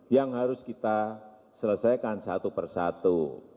yang harus kita selesaikan satu persatu